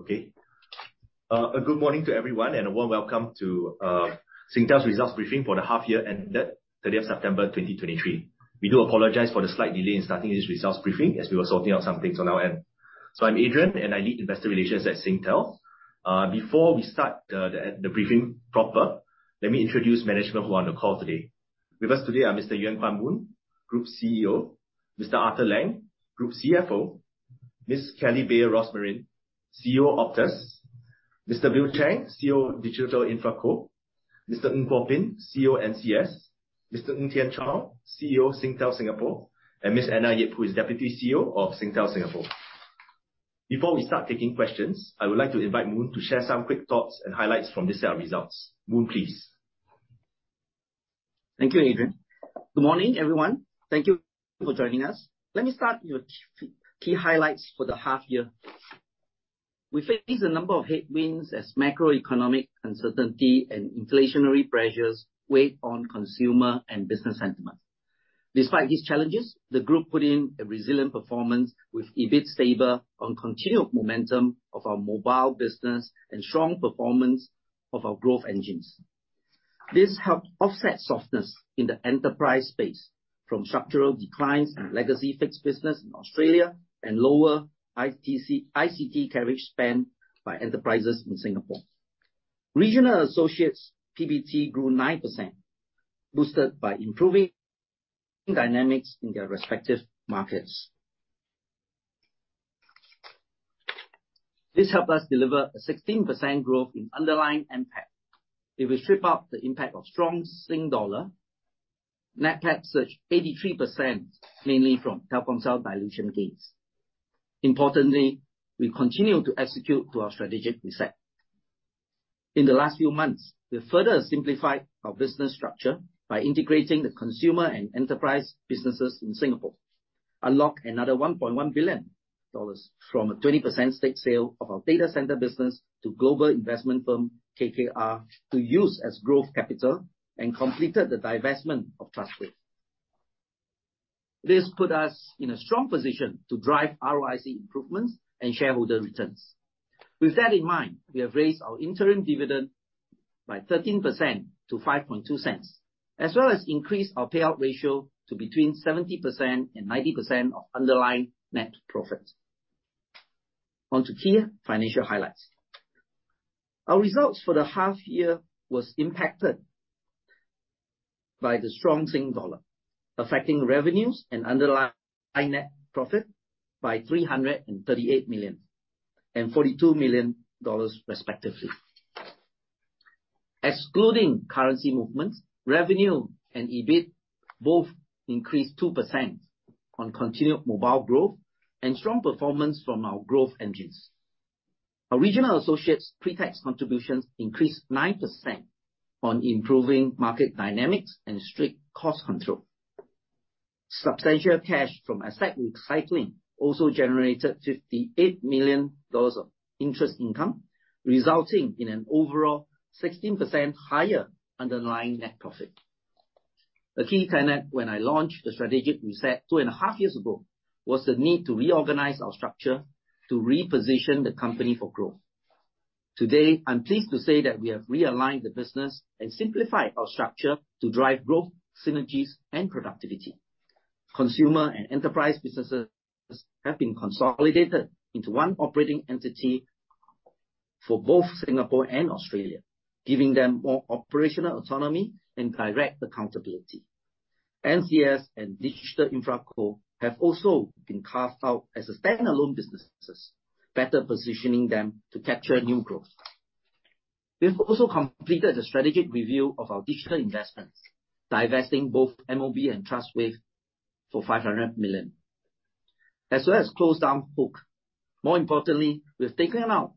Okay. A good morning to everyone, and a warm welcome to Singtel's results briefing for the half year ended 30 September 2023. We do apologize for the slight delay in starting this results briefing, as we were sorting out some things on our end. I'm Adrian, and I lead Investor Relations at Singtel. Before we start, the briefing proper, let me introduce management who are on the call today. With us today are Mr. Yuen Kuan Moon, Group CEO, Mr. Arthur Lang, Group CFO, Ms. Kelly Bayer Rosmarin, CEO Optus, Mr. Bill Chang, CEO Digital InfraCo, Mr. Ng Kuo Pin, CEO NCS, Mr. Ng Tian Chong, CEO Singtel Singapore, and Ms. Anna Yip, who is Deputy CEO of Singtel Singapore. Before we start taking questions, I would like to invite Moon to share some quick thoughts and highlights from this set of results. Moon, please. Thank you, Adrian. Good morning, everyone. Thank you for joining us. Let me start with key highlights for the half year. We faced a number of headwinds as macroeconomic uncertainty and inflationary pressures weighed on consumer and business sentiment. Despite these challenges, the group put in a resilient performance, with EBIT stable on continued momentum of our mobile business and strong performance of our growth engines. This helped offset softness in the enterprise space from structural declines in legacy fixed business in Australia and lower ICT carriage spend by enterprises in Singapore. Regional Associates' PBT grew 9%, boosted by improving dynamics in their respective markets. This helped us deliver a 16% growth in underlying NPAT. If we strip out the impact of strong Singapore Dollar, NPAT surged 83%, mainly from Telkomsel dilution gains. Importantly, we continue to execute to our strategic reset. In the last few months, we have further simplified our business structure by integrating the consumer and enterprise businesses in Singapore, unlocked another 1.1 billion dollars from a 20% stake sale of our data center business to global investment firm KKR, to use as growth capital, and completed the divestment of Trustwave. This put us in a strong position to drive ROIC improvements and shareholder returns. With that in mind, we have raised our interim dividend by 13% to 0.052, as well as increased our payout ratio to between 70% and 90% of underlying net profits. On to key financial highlights. Our results for the half year was impacted by the strong Sing Dollar, affecting revenues and underlying net profit by 338 million and 42 million dollars, respectively. Excluding currency movements, revenue and EBIT both increased 2% on continued mobile growth and strong performance from our growth engines. Our regional associates' pre-tax contributions increased 9% on improving market dynamics and strict cost control. Substantial cash from asset recycling also generated 58 million dollars of interest income, resulting in an overall 16% higher underlying net profit. A key tenet when I launched the strategic reset two and a half years ago, was the need to reorganize our structure to reposition the company for growth. Today, I'm pleased to say that we have realigned the business and simplified our structure to drive growth, synergies, and productivity. Consumer and enterprise businesses have been consolidated into one operating entity for both Singapore and Australia, giving them more operational autonomy and direct accountability. NCS and Digital InfraCo have also been carved out as standalone businesses, better positioning them to capture new growth. We've also completed the strategic review of our digital investments, divesting both Amobee and Trustwave for 500 million, as well as closed down HOOQ. More importantly, we've taken out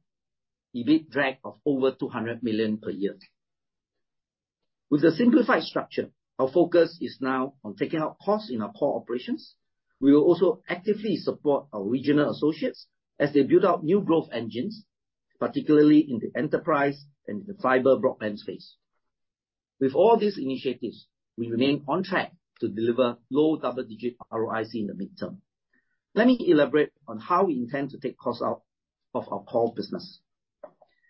EBIT drag of over 200 million per year. With a simplified structure, our focus is now on taking out costs in our core operations. We will also actively support our regional associates as they build out new growth engines, particularly in the enterprise and in the fiber broadband space. With all these initiatives, we remain on track to deliver low double-digit ROIC in the midterm. Let me elaborate on how we intend to take costs out of our core business.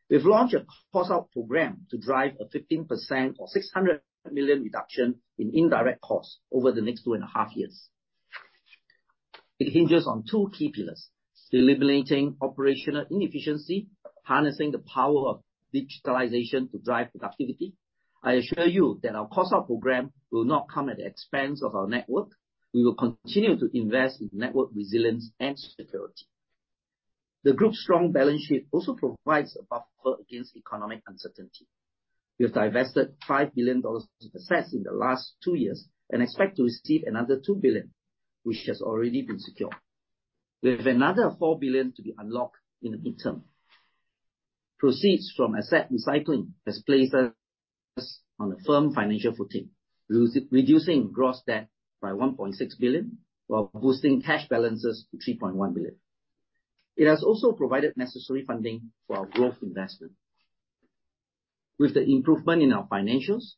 We've launched a cost-out program to drive a 15% or $600 million reduction in indirect costs over the next two and a half years. It hinges on two key pillars: deliberating operational inefficiency, harnessing the power of digitalization to drive productivity. I assure you that our cost-out program will not come at the expense of our network. We will continue to invest in network resilience and security. The group's strong balance sheet also provides a buffer against economic uncertainty. We have divested $5 billion of assets in the last two years and expect to receive another $2 billion, which has already been secured. We have another $4 billion to be unlocked in the midterm. Proceeds from asset recycling has placed us on a firm financial footing, reducing gross debt by $1.6 billion, while boosting cash balances to $3.1 billion. It has also provided necessary funding for our growth investment.... With the improvement in our financials,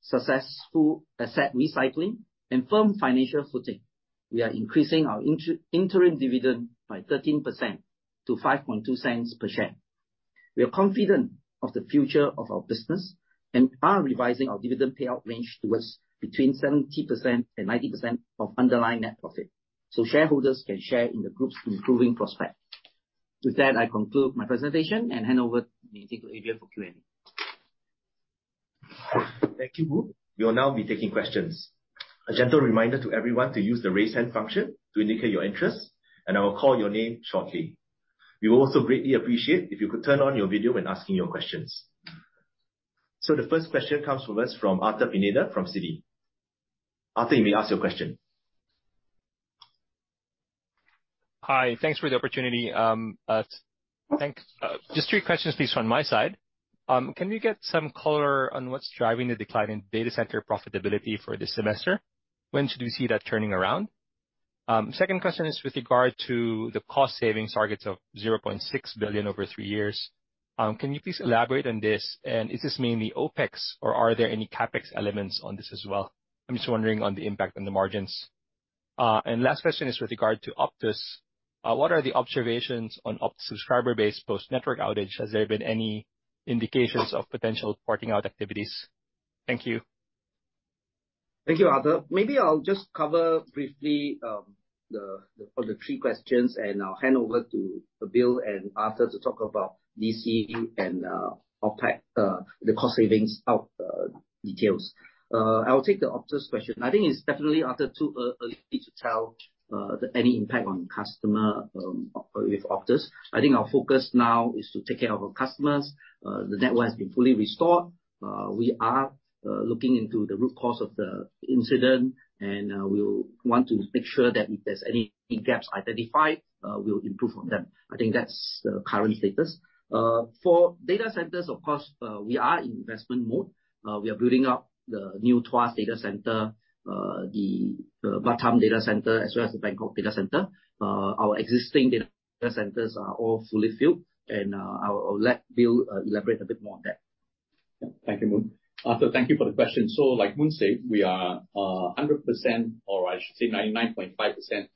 successful asset recycling, and firm financial footing, we are increasing our interim dividend by 13% to 0.052 per share. We are confident of the future of our business and are revising our dividend payout range towards between 70% and 90% of underlying net profit, so shareholders can share in the group's improving prospects. With that, I conclude my presentation and hand over to Adrian for Q&A. Thank you, Moon. We will now be taking questions. A gentle reminder to everyone to use the Raise Hand function to indicate your interest, and I will call your name shortly. We will also greatly appreciate if you could turn on your video when asking your questions. So the first question comes from us, from Arthur Pineda from Citi. Arthur, you may ask your question. Hi. Thanks for the opportunity, just three questions, please, from my side. Can we get some color on what's driving the decline in data center profitability for this semester? When should we see that turning around? Second question is with regard to the cost savings targets of 0.6 billion over three years. Can you please elaborate on this? And is this mainly OpEx, or are there any CapEx elements on this as well? I'm just wondering on the impact on the margins. Last question is with regard to Optus. What are the observations on Optus subscriber base post-network outage? Has there been any indications of potential parting out activities? Thank you. Thank you, Arthur. Maybe I'll just cover briefly, all the three questions, and I'll hand over to Bill and Arthur to talk about DC and, OpEx, the cost savings out, details. I will take the Optus question. I think it's definitely, Arthur, too, early to tell, any impact on customer, with Optus. I think our focus now is to take care of our customers. The network has been fully restored. We are looking into the root cause of the incident, and we want to make sure that if there's any gaps identified, we'll improve on them. I think that's the current status. For data centers, of course, we are in investment mode. We are building up the new Tuas data center, the Batam data center, as well as the Bangkok data center. Our existing data centers are all fully filled, and I will let Bill elaborate a bit more on that. Yeah. Thank you, Moon. Arthur, thank you for the question. So, like Moon said, we are 100%, or I should say 99.5%,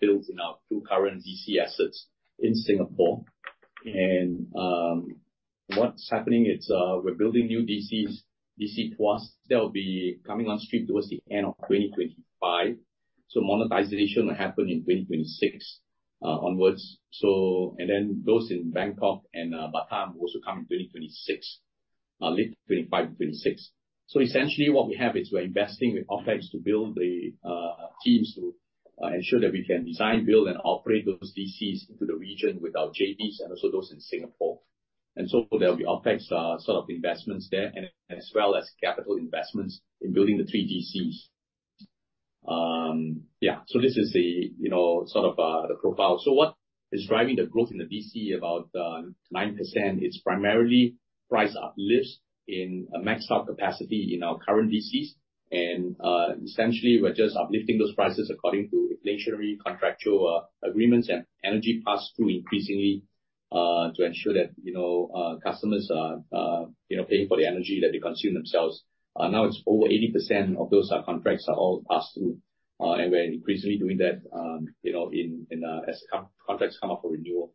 built in our two current DC assets in Singapore. And, what's happening is, we're building new DCs, DC Tuas. That will be coming on stream towards the end of 2025. So monetization will happen in 2026 onwards. So, and then those in Bangkok and Batam will also come in 2026, late 2025-2026. So essentially, what we have is we're investing with OpEx to build the teams to ensure that we can design, build, and operate those DCs into the region with our JVs and also those in Singapore. And so there'll be OpEx sort of investments there, and as well as capital investments in building the three DCs. Yeah, so this is the, you know, sort of, the profile. So what is driving the growth in the DC about 9%? It's primarily price uplifts in a maxed out capacity in our current DCs. And, essentially, we're just uplifting those prices according to inflationary contractual agreements and energy pass-through increasingly to ensure that, you know, customers are, you know, paying for the energy that they consume themselves. Now it's over 80% of those contracts are all passed through, and we're increasingly doing that, you know, in, in, as co-contracts come up for renewal.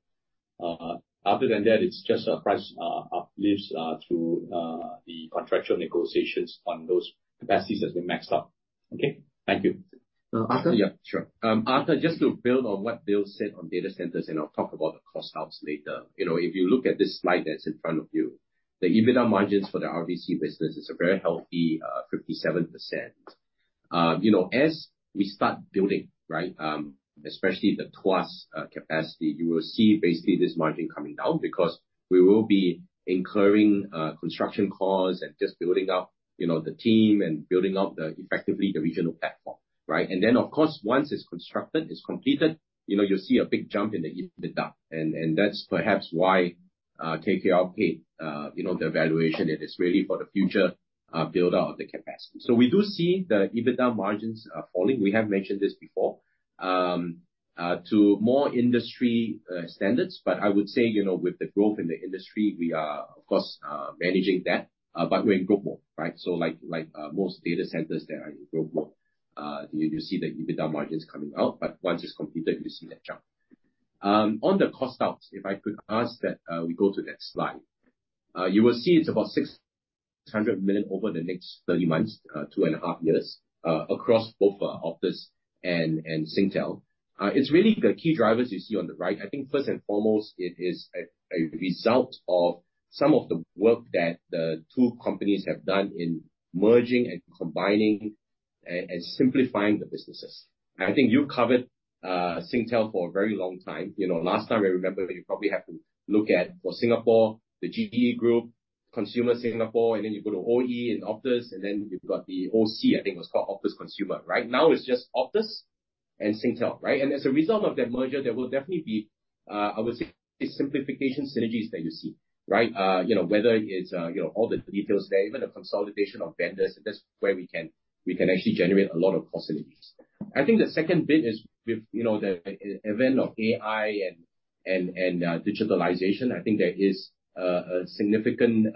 Other than that, it's just a price uplifts through the contractual negotiations on those capacities has been maxed out. Okay. Thank you. Uh, Arthur? Yeah, sure. Arthur, just to build on what Bill said on data centers, and I'll talk about the cost outs later. You know, if you look at this slide that's in front of you, the EBITDA margins for the RDC business is a very healthy 57%. You know, as we start building, right, especially the Tuas capacity, you will see basically this margin coming down because we will be incurring construction costs and just building up, you know, the team and building up the, effectively, the regional platform, right? And then, of course, once it's constructed, it's completed, you know, you'll see a big jump in the EBITDA. And that's perhaps why KKR paid, you know, the valuation. It is really for the future build-out of the capacity. So we do see the EBITDA margins falling, we have mentioned this before, to more industry standards. But I would say, you know, with the growth in the industry, we are of course managing that, but we're in growth mode, right? So like, like most data centers that are in growth mode, you, you see the EBITDA margins coming out, but once it's completed, you see that jump. On the cost outs, if I could ask that, we go to the next slide. You will see it's about 600 million over the next 30 months, 2.5 years, across both Optus and Singtel. It's really the key drivers you see on the right. I think first and foremost, it is a result of some of the work that the two companies have done in merging and combining and simplifying the businesses. I think you covered Singtel for a very long time. You know, last time I remember, you probably have to look at, for Singapore, the GBE group, Consumer Singapore, and then you go to OE and Optus, and then you've got the OC, I think it was called Optus Consumer. Right now, it's just Optus and Singtel, right? And as a result of that merger, there will definitely be, I would say, simplification synergies that you see, right? You know, whether it's all the details there, even the consolidation of vendors, that's where we can actually generate a lot of cost synergies. I think the second bit is with, you know, the event of AI and-... And digitalization, I think there is a significant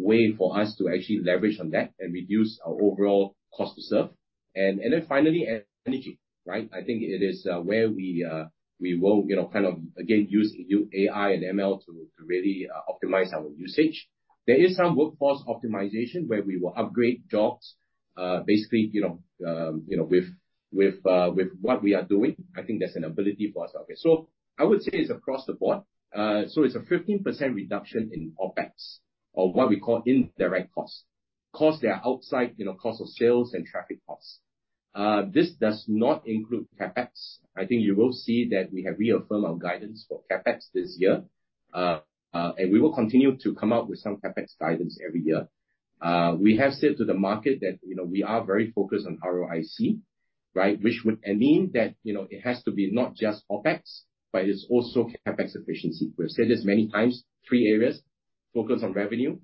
way for us to actually leverage on that and reduce our overall cost to serve. And then finally, energy, right? I think it is where we will, you know, kind of, again, use new AI and ML to really optimize our usage. There is some workforce optimization where we will upgrade jobs, basically, you know, with what we are doing. I think there's an ability for us out there. So I would say it's across the board. So it's a 15% reduction in OpEx, or what we call indirect costs. Costs that are outside, you know, cost of sales and traffic costs. This does not include CapEx. I think you will see that we have reaffirmed our guidance for CapEx this year. And we will continue to come out with some CapEx guidance every year. We have said to the market that, you know, we are very focused on ROIC, right? Which would mean that, you know, it has to be not just OpEx, but it's also CapEx efficiency. We've said this many times, three areas: focus on revenue,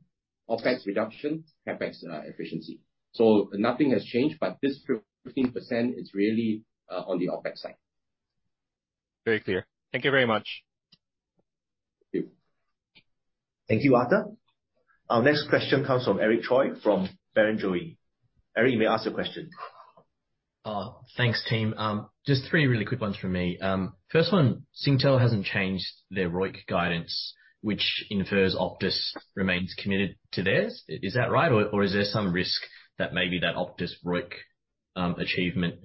OpEx reduction, CapEx efficiency. So nothing has changed, but this 15% is really on the OpEx side. Very clear. Thank you very much. Thank you. Thank you, Arthur. Our next question comes from Eric Choi, from Barrenjoey. Eric, you may ask your question. Thanks, team. Just three really quick ones from me. First one, Singtel hasn't changed their ROIC guidance, which infers Optus remains committed to theirs. Is that right? Or is there some risk that maybe that Optus ROIC achievement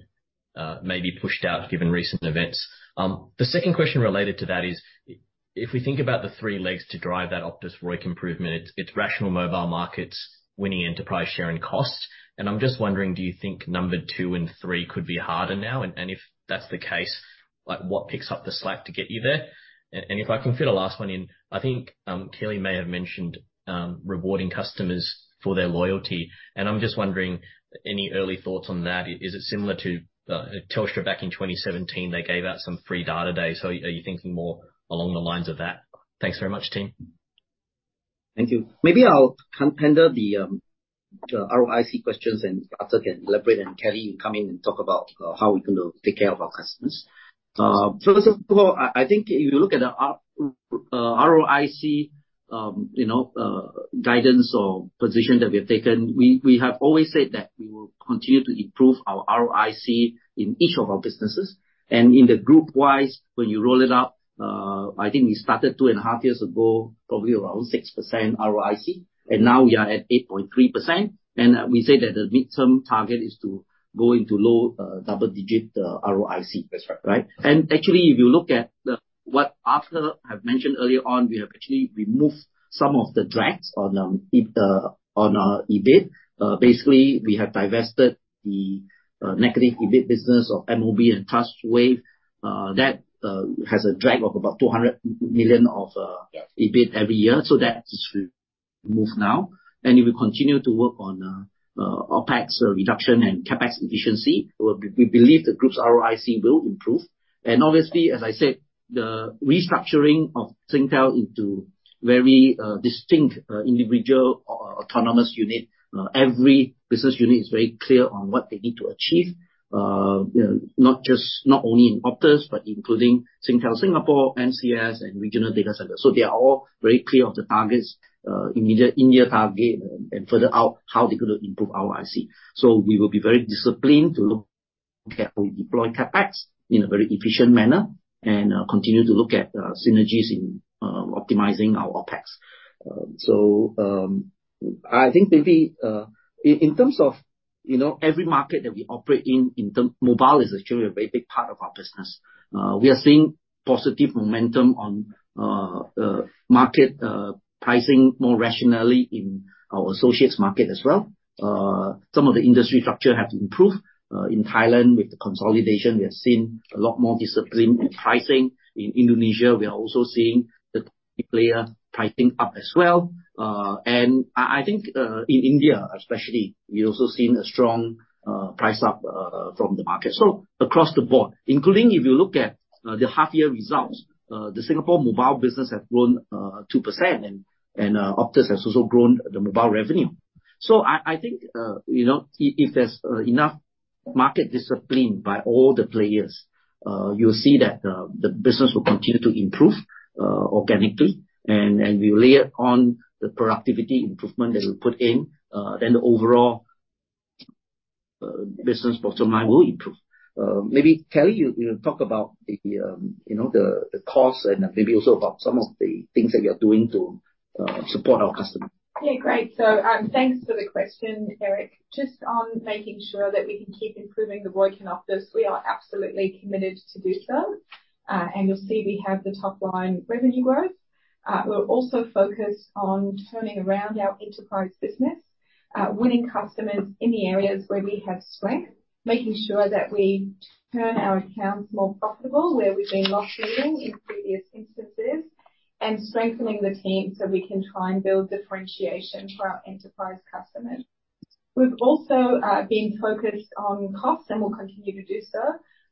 may be pushed out given recent events? The second question related to that is, if we think about the three legs to drive that Optus ROIC improvement, it's rational mobile markets, winning enterprise share and cost. And I'm just wondering, do you think number two and three could be harder now? And if that's the case, like, what picks up the slack to get you there? And if I can fit a last one in, I think Kelly may have mentioned rewarding customers for their loyalty, and I'm just wondering, any early thoughts on that? Is it similar to, Telstra back in 2017, they gave out some free data days. So are you thinking more along the lines of that? Thanks very much, team. Thank you. Maybe I'll handle the ROIC questions, and Arthur can elaborate, and Kelly, you come in and talk about how we're going to take care of our customers. First of all, I think if you look at the ROIC, you know, guidance or position that we have taken, we have always said that we will continue to improve our ROIC in each of our businesses. And in the group-wise, when you roll it up, I think we started two and a half years ago, probably around 6% ROIC, and now we are at 8.3%. And we say that the mid-term target is to go into low double-digit ROIC. That's right. Right? And actually, if you look at the—what Arthur had mentioned earlier on, we have actually removed some of the drags on, on our EBIT. Basically, we have divested the, negative EBIT business of MOB and Trustwave. That, has a drag of about 200 million of, Yes. EBIT every year. So that is removed now. And if we continue to work on OpEx reduction and CapEx efficiency, we believe the group's ROIC will improve. And obviously, as I said, the restructuring of Singtel into very distinct individual or autonomous unit, every business unit is very clear on what they need to achieve. You know, not just, not only in Optus but including Singtel Singapore, NCS, and Regional Data Center. So they are all very clear of the targets, immediate, in the target and further out, how they're going to improve ROIC. So we will be very disciplined to look at how we deploy CapEx in a very efficient manner and continue to look at synergies in optimizing our OpEx. I think maybe, in terms of, you know, every market that we operate in, mobile is actually a very big part of our business. We are seeing positive momentum on market pricing more rationally in our associates market as well. Some of the industry structure has improved. In Thailand, with the consolidation, we have seen a lot more discipline in pricing. In Indonesia, we are also seeing the player pricing up as well. In India especially, we've also seen a strong price up from the market. So across the board, including if you look at the half year results, the Singapore mobile business has grown 2% and Optus has also grown the mobile revenue. So I think, you know, if there's enough market discipline by all the players, you'll see that the business will continue to improve organically, and we layer on the productivity improvement that we put in, then the overall business bottom line will improve. Maybe, Kelly, you talk about the, you know, the cost and maybe also about some of the things that you're doing to support our customers. Yeah, great. So, thanks for the question, Eric. Just on making sure that we can keep improving the ROIC in Optus, we are absolutely committed to do so. And you'll see we have the top line revenue growth. We're also focused on turning around our enterprise business, winning customers in the areas where we have strength, making sure that we turn our accounts more profitable, where we've been losing in previous instances, and strengthening the team, so we can try and build differentiation for our enterprise customers. We've also been focused on costs, and we'll continue to do so.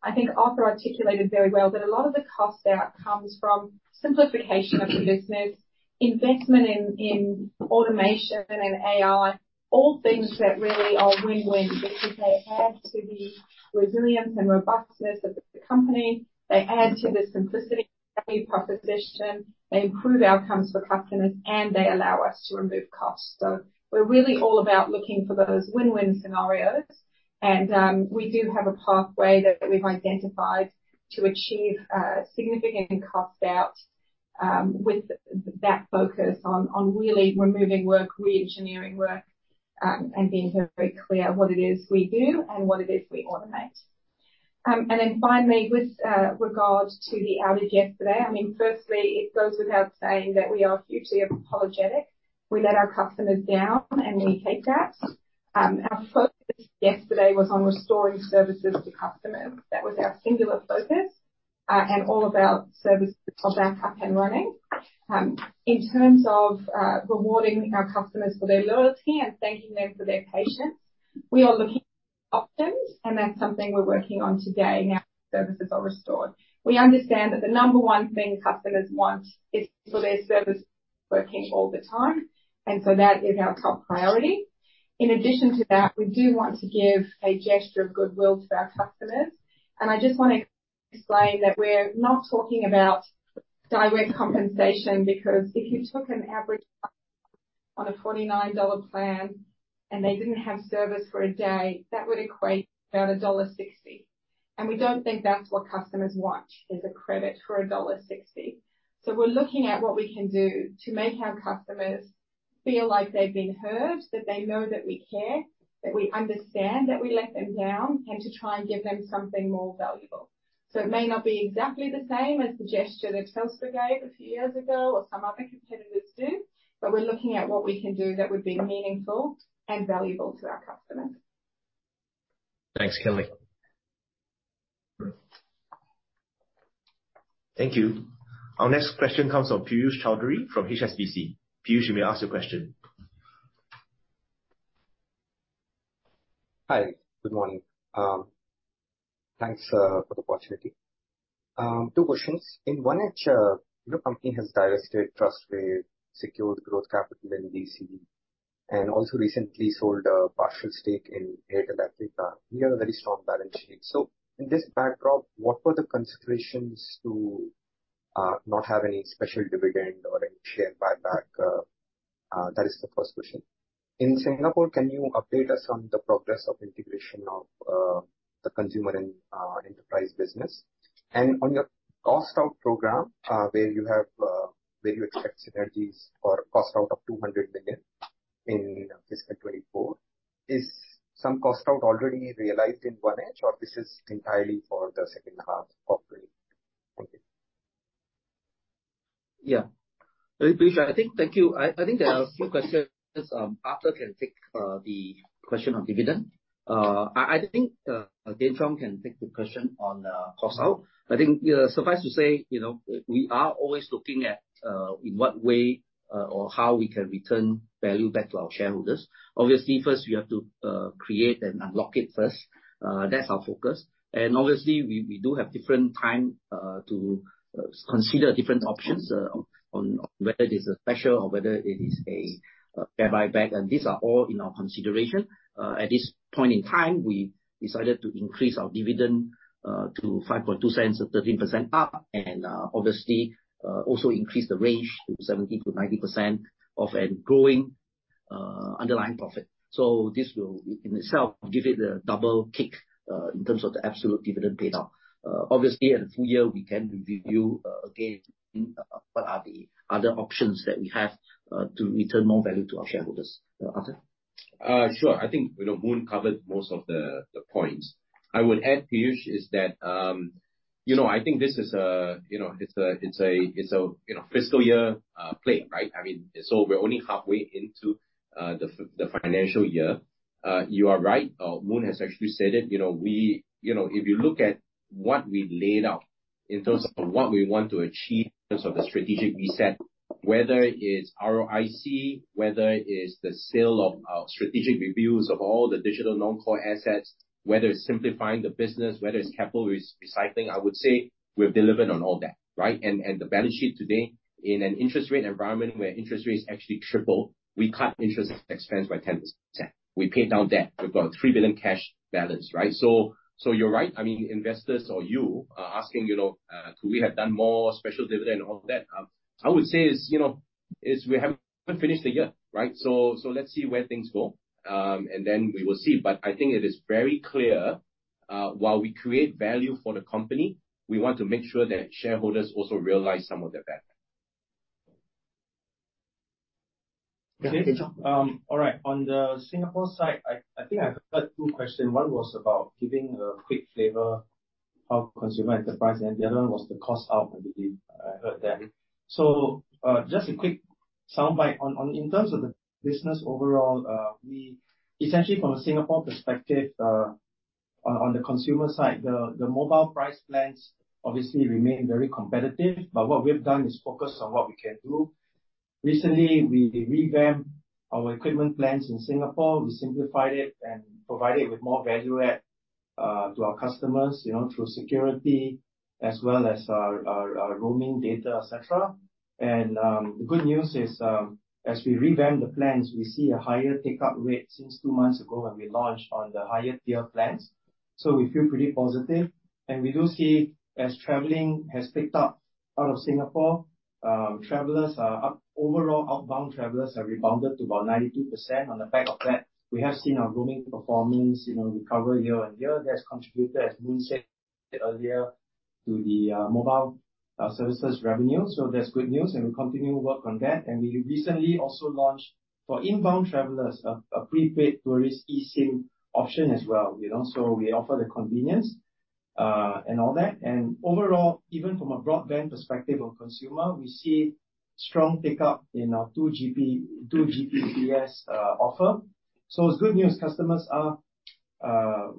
I think Arthur articulated very well that a lot of the cost there comes from simplification of the business, investment in automation and AI, all things that really are win-win, because they add to the resilience and robustness of the company. They add to the simplicity value proposition, they improve outcomes for customers, and they allow us to remove costs. So we're really all about looking for those win-win scenarios. And, we do have a pathway that we've identified to achieve significant cost out with that focus on really removing work, reengineering work, and being very clear what it is we do and what it is we automate. And then finally, with regard to the outage yesterday, I mean, firstly, it goes without saying that we are hugely apologetic. We let our customers down, and we take that. Our focus yesterday was on restoring services to customers. That was our singular focus, and all about services of our up and running. In terms of rewarding our customers for their loyalty and thanking them for their patience, we are looking at options, and that's something we're working on today now services are restored. We understand that the number one thing customers want is for their service working all the time, and so that is our top priority. In addition to that, we do want to give a gesture of goodwill to our customers, and I just want to explain that we're not talking about direct compensation, because if you took an average on a 49-dollar plan and they didn't have service for a day, that would equate about dollar 1.60. And we don't think that's what customers want, is a credit for dollar 1.60. So we're looking at what we can do to make our customers feel like they've been heard, that they know that we care, that we understand that we let them down, and to try and give them something more valuable. So it may not be exactly the same as the gesture that Telstra gave a few years ago or some other competitors do, but we're looking at what we can do that would be meaningful and valuable to our customers. Thanks, Kelly. Thank you. Our next question comes from Piyush Choudhary from HSBC. Piyush, you may ask your question. Hi, good morning. Thanks for the opportunity. Two questions. In 1H, your company has divested Trustwave, secured growth capital in DC, and also recently sold a partial stake in Airtel Africa. You have a very strong balance sheet. So in this backdrop, what were the considerations to not have any special dividend or any share buyback? That is the first question. In Singapore, can you update us on the progress of integration of the consumer and enterprise business? And on your cost out program, where you expect synergies or cost out of 200 million in fiscal 2024, is some cost out already realized in 1H, or this is entirely for the second half of 2024... Thank you. Yeah. Piyush, I think. Thank you. I think there are a few questions. Arthur can take the question on dividend. I think Tian Chong can take the question on cost out. I think suffice to say, you know, we are always looking at in what way or how we can return value back to our shareholders. Obviously, first, we have to create and unlock it first. That's our focus. And obviously, we do have different time to consider different options on whether it is a special or whether it is a buyback. And these are all in our consideration. At this point in time, we decided to increase our dividend to 0.052, a 13% up, and obviously also increase the range to 70%-90% of a growing underlying profit. So this will, in itself, give it a double kick in terms of the absolute dividend paid out. Obviously, at the full year, we can review again what are the other options that we have to return more value to our shareholders. Arthur? Sure. I think, you know, Moon covered most of the points. I would add, Piyush, is that, you know, I think this is a, you know, it's a fiscal year play, right? I mean, so we're only halfway into the financial year. You are right. Moon has actually said it. You know, we. You know, if you look at what we laid out in terms of what we want to achieve, in terms of the strategic reset, whether it is ROIC, whether it is the sale of our strategic reviews of all the digital non-core assets, whether it's simplifying the business, whether it's capital recycling, I would say we've delivered on all that, right? The balance sheet today, in an interest rate environment where interest rates actually triple, we cut interest expense by 10%. We paid down debt. We've got a 3 billion cash balance, right? So you're right. I mean, investors or you are asking, you know, could we have done more special dividend and all of that? I would say is, you know, is we haven't finished the year, right? So let's see where things go, and then we will see. But I think it is very clear, while we create value for the company, we want to make sure that shareholders also realize some of that back. All right. On the Singapore side, I think I heard two questions. One was about giving a quick flavor of consumer enterprise, and the other one was the cost out, I believe. I heard that. So, just a quick soundbite. On the business overall, in terms of the business overall, we essentially from a Singapore perspective, on the consumer side, the mobile price plans obviously remain very competitive, but what we have done is focus on what we can do. Recently, we revamped our equipment plans in Singapore. We simplified it and provided with more value add.... To our customers, you know, through security as well as our roaming data, et cetera. And the good news is, as we revamp the plans, we see a higher take-up rate since two months ago when we launched on the higher tier plans. So we feel pretty positive. And we do see, as traveling has picked up out of Singapore, travelers are up. Overall, outbound travelers have rebounded to about 92%. On the back of that, we have seen our roaming performance, you know, recover year-on-year. That's contributed, as Moon said earlier, to the mobile services revenue. So that's good news, and we'll continue to work on that. And we recently also launched for inbound travelers, a prepaid tourist e-SIM option as well, you know, so we offer the convenience and all that. Overall, even from a broadband perspective of consumer, we see strong take-up in our 2Gbps offer. So it's good news. Customers are,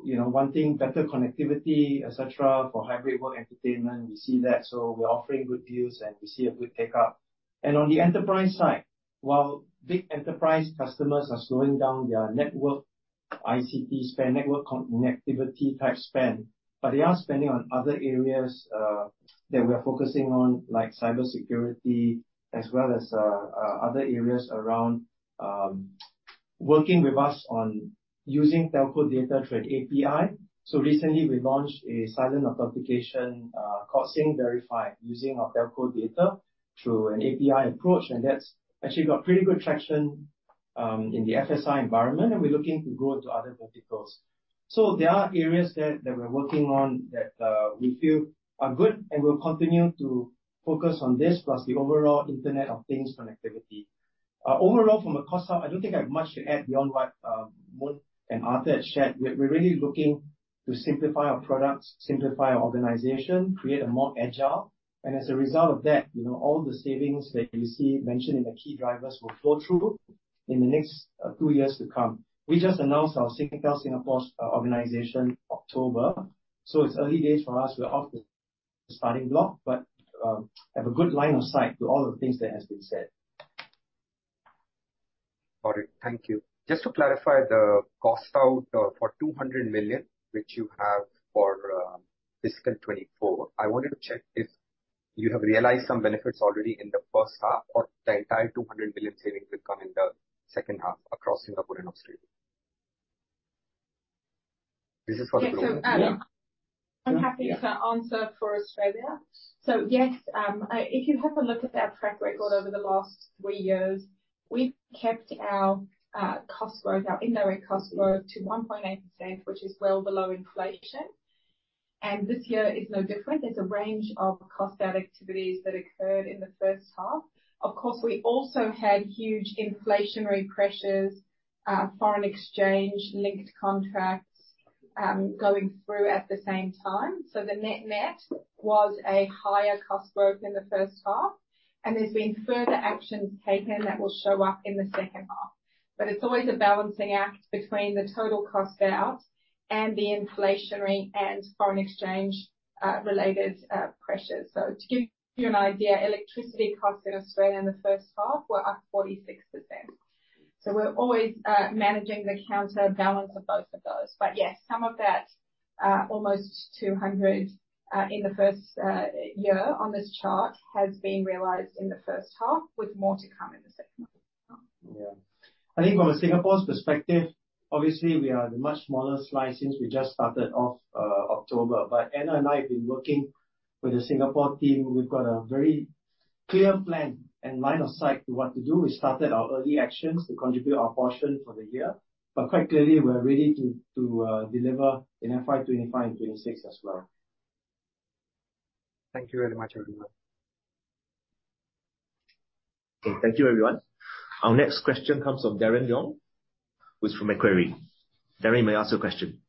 you know, wanting better connectivity, et cetera, for hybrid work, entertainment. We see that, so we're offering good deals, and we see a good take-up. And on the enterprise side, while big enterprise customers are slowing down their network, ICT spend, network connectivity type spend, but they are spending on other areas, that we are focusing on, like cybersecurity, as well as, other areas around, working with us on using telco data through an API. So recently we launched a silent authentication, called SingVerify, using our telco data through an API approach, and that's actually got pretty good traction, in the FSI environment, and we're looking to grow into other verticals. So there are areas that, that we're working on that we feel are good, and we'll continue to focus on this, plus the overall Internet of Things connectivity. Overall, from a cost side, I don't think I have much to add beyond what Moon and Arthur had shared. We're, we're really looking to simplify our products, simplify our organization, create a more agile, and as a result of that, you know, all the savings that you see mentioned in the key drivers will flow through in the next two years to come. We just announced our Singtel Singapore organization, October, so it's early days for us. We're off the starting block, but have a good line of sight to all the things that has been said. Got it. Thank you. Just to clarify the cost out for 200 million, which you have for fiscal 2024. I wanted to check if you have realized some benefits already in the first half, or the entire 200 million savings will come in the second half across Singapore and Australia. This is for- Yeah, so, Adam, I'm happy to answer for Australia. So yes, if you have a look at our track record over the last three years, we've kept our cost growth, our indirect cost growth, to 1.8%, which is well below inflation. And this year is no different. There's a range of cost out activities that occurred in the first half. Of course, we also had huge inflationary pressures, foreign exchange linked contracts going through at the same time. So the net net was a higher cost growth in the first half, and there's been further actions taken that will show up in the second half. But it's always a balancing act between the total cost out and the inflationary and foreign exchange related pressures. To give you an idea, electricity costs in Australia in the first half were up 46%. We're always managing the counter balance of both of those. But yes, some of that almost 200 in the first year on this chart has been realized in the first half, with more to come in the second half. Yeah. I think from a Singapore's perspective, obviously we are the much smaller slice since we just started off, October. But Anna and I have been working with the Singapore team. We've got a very clear plan and line of sight to what to do. We started our early actions to contribute our portion for the year, but quite clearly, we're ready to deliver in FY 2025 and 2026 as well. Thank you very much, everyone. Okay. Thank you, everyone. Our next question comes from Darren Leung, who's from Macquarie. Darren, you may ask your question.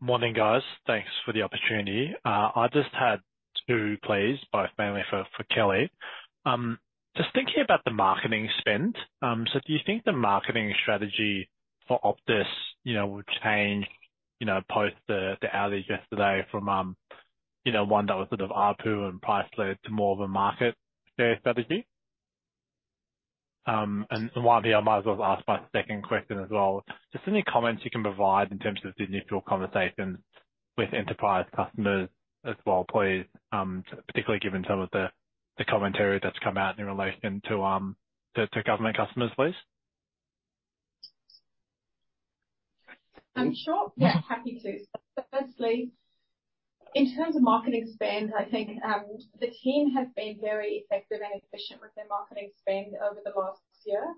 Morning, guys. Thanks for the opportunity. I just had two, please, both mainly for Kelly. Just thinking about the marketing spend, so do you think the marketing strategy for Optus, you know, will change, you know, post the outage yesterday from, you know, one that was sort of ARPU and price-led to more of a market-share strategy? And while I might as well ask my second question as well, just any comments you can provide in terms of significant conversations with enterprise customers as well, please. Particularly given some of the commentary that's come out in relation to to government customers, please. Sure, yeah, happy to. Firstly, in terms of marketing spend, I think, the team has been very effective and efficient with their marketing spend over the last year.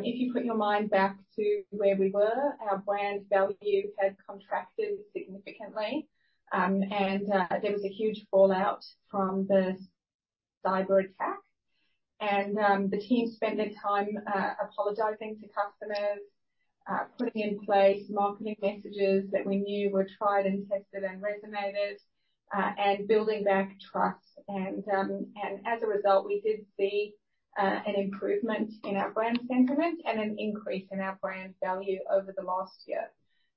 If you put your mind back to where we were, our brand value had contracted significantly. And there was a huge fallout from the cyberattack. The team spent their time apologizing to customers, putting in place marketing messages that we knew were tried and tested and resonated, and building back trust. And as a result, we did see an improvement in our brand sentiment and an increase in our brand value over the last year.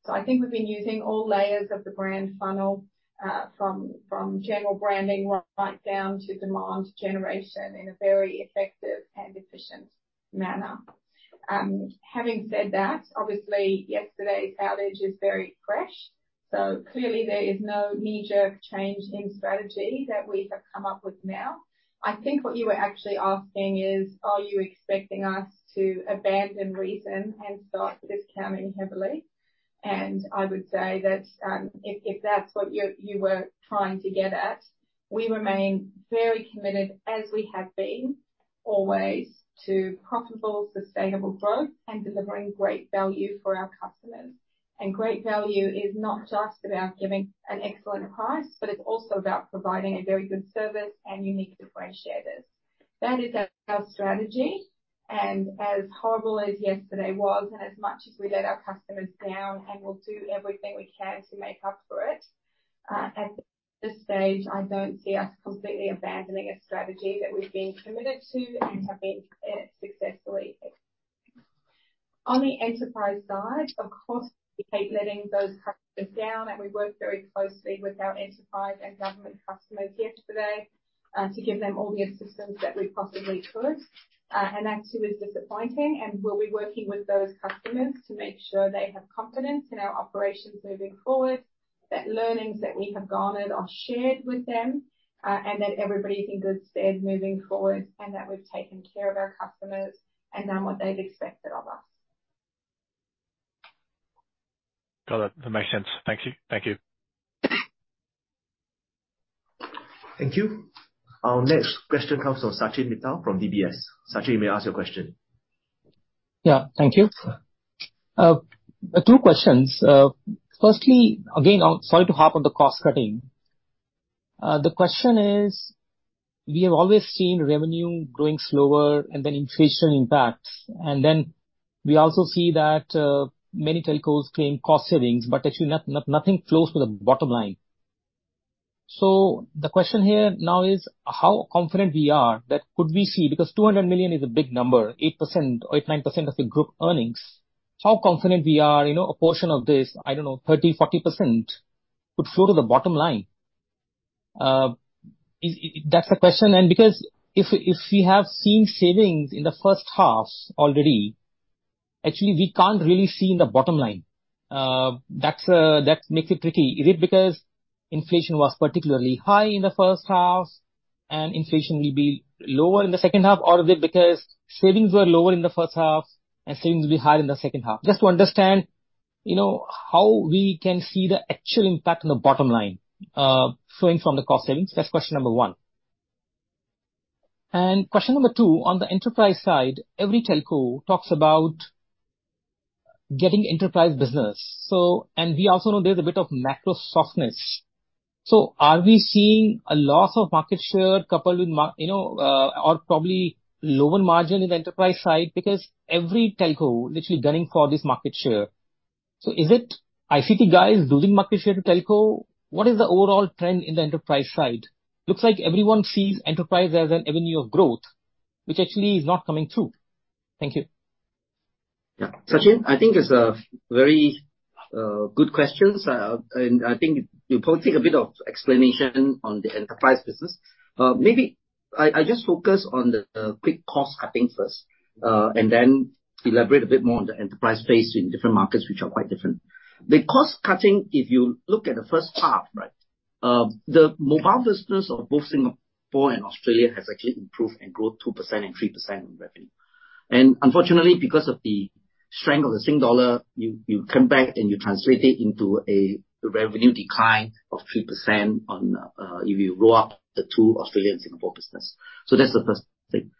So I think we've been using all layers of the brand funnel, from general branding right down to demand generation in a very effective and efficient manner. Having said that, obviously yesterday's outage is very fresh, so clearly there is no knee-jerk change in strategy that we have come up with now. I think what you were actually asking is, are you expecting us to abandon reason and start discounting heavily? And I would say that, if that's what you were trying to get at, we remain very committed, as we have been always, to profitable, sustainable growth and delivering great value for our customers. Great value is not just about giving an excellent price, but it's also about providing a very good service and unique differentiators. That is our strategy, and as horrible as yesterday was, and as much as we let our customers down, and we'll do everything we can to make up for it. At this stage, I don't see us completely abandoning a strategy that we've been committed to and have been successfully on the enterprise side. Of course, we keep letting those customers down, and we worked very closely with our enterprise and government customers yesterday to give them all the assistance that we possibly could. And that too is disappointing, and we'll be working with those customers to make sure they have confidence in our operations moving forward, that learnings that we have garnered are shared with them, and that everybody's in good stead moving forward, and that we've taken care of our customers and done what they've expected of us. Got it. That makes sense. Thank you. Thank you. Thank you. Our next question comes from Sachin Mittal from DBS. Sachin, you may ask your question. Yeah, thank you. Two questions. Firstly, again, I'm sorry to harp on the cost cutting. The question is, we have always seen revenue growing slower and then inflation impact, and then we also see that many telcos claim cost savings, but actually nothing flows to the bottom line. So the question here now is, how confident we are that we could see, because 200 million is a big number, 8% or 8%-9% of the group earnings. How confident we are, you know, a portion of this, I don't know, 30%-40%, would flow to the bottom line? That's the question. And because if we have seen savings in the first half already, actually we can't really see in the bottom line. That makes it tricky. Is it because inflation was particularly high in the first half, and inflation will be lower in the second half? Or is it because savings were lower in the first half and savings will be higher in the second half? Just to understand, you know, how we can see the actual impact on the bottom line flowing from the cost savings. That's question number one. And question number two, on the enterprise side, every telco talks about getting enterprise business. So... And we also know there's a bit of macro softness. So are we seeing a loss of market share coupled with, you know, or probably lower margin in the enterprise side? Because every telco literally gunning for this market share. So is it ICT guys losing market share to telco? What is the overall trend in the enterprise side? Looks like everyone sees enterprise as an avenue of growth, which actually is not coming through. Thank you. Yeah. Sachin, I think it's a very good questions. And I think you probably need a bit of explanation on the enterprise business. Maybe I just focus on the quick cost cutting first, and then elaborate a bit more on the enterprise space in different markets, which are quite different. The cost cutting, if you look at the first half, right, the mobile business of both Singapore and Australia has actually improved and grown 2% and 3% in revenue. And unfortunately, because of the strength of the Singapore dollar, you come back and you translate it into a revenue decline of 3% on, if you roll up the two, Australian Singapore business. So that's the first thing.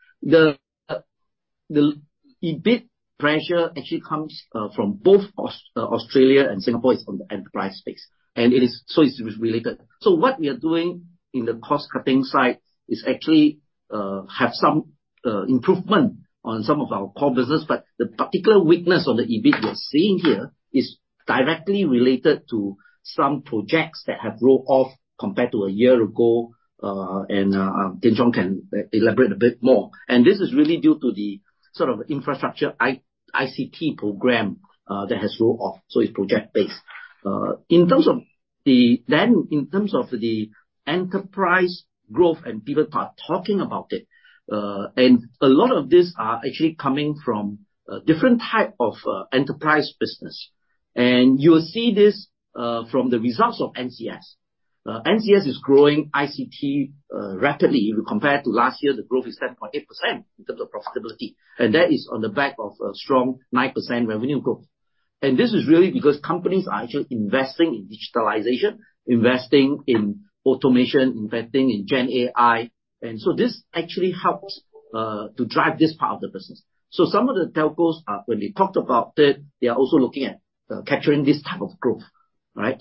The EBIT pressure actually comes from both Australia and Singapore, is on the enterprise space, and it is, so it's related. So what we are doing in the cost cutting side is actually have some improvement on some of our core business. But the particular weakness on the EBIT we are seeing here is directly related to some projects that have rolled off compared to a year ago, and Jin Zhang can elaborate a bit more. And this is really due to the sort of infrastructure ICT program that has rolled off, so it's project-based. In terms of the enterprise growth and people are talking about it, and a lot of these are actually coming from different type of enterprise business. You will see this from the results of NCS. NCS is growing ICT rapidly. If you compare to last year, the growth is 7.8% in terms of profitability, and that is on the back of a strong 9% revenue growth. This is really because companies are actually investing in digitalization, investing in automation, investing in GenAI, and so this actually helps to drive this part of the business. Some of the telcos are, when they talked about it, they are also looking at capturing this type of growth, right?